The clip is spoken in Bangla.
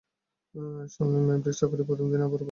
সামলে, ম্যাভরিক, চাকরির প্রথমদিনেই আবার বরখাস্ত হয়ে বসো না।